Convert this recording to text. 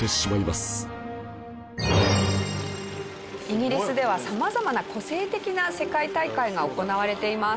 イギリスでは様々な個性的な世界大会が行われています。